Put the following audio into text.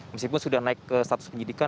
meskipun sudah naik ke status penyidikan